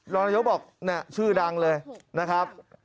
รรยกษ์บอกชื่อดังเลยนะครับ